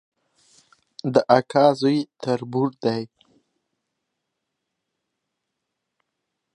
د اکا زوی تربور دی